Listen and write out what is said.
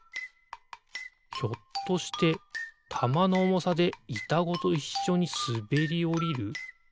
ひょっとしてたまのおもさでいたごといっしょにすべりおりる？